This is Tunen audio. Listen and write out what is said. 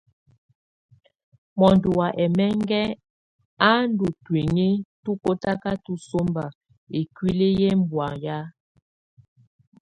Mɔndɔ wá ɛmɛŋɛ á ndù tuinyii tú kɔtakatɔ sɔmba ikuili yɛ bɔ̀áya.